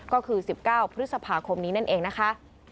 ก็คือ๑๙พฤษภาคมนี้นั่นเองนะคะ